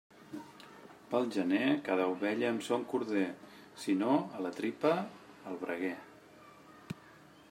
Pel gener, cada ovella amb son corder; si no a la tripa al braguer.